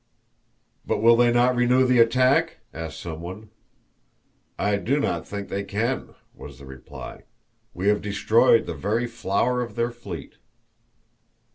"But will they not renew the attack," asked someone. "I do not think they can," was the reply. "We have destroyed the very flower of their fleet."